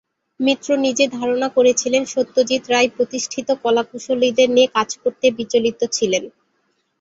মিত্র নিজে ধারণা করেছিলেন সত্যজিৎ রায় প্রতিষ্ঠিত কলাকুশলীদের নিয়ে কাজ করতে বিচলিত ছিলেন।